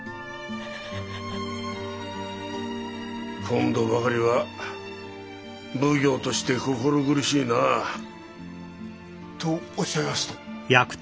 今度ばかりは奉行として心苦しいなぁ。とおっしゃいますと？